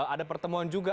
ada pertemuan juga